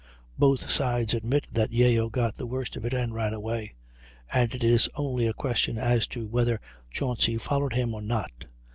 Both sides admit that Yeo got the worst of it and ran away, and it is only a question as to whether Chauncy followed him or not.